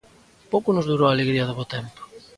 Pouco nos durou a alegría do bo tempo.